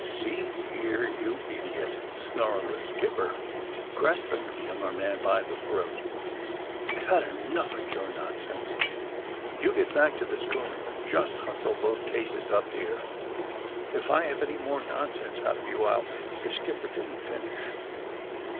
^^See here, you idiot!" snarled the skipper, grasping the younger man by the throat, ^^I've had enough of your nonsense. You get back to the schooner and just hustle those cases up here. If I have any more nonsense out of you I'll " The skipper didn't finish.